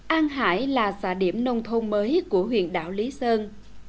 an hải là xã điểm nông thôn mới của huyện đảo lý sơn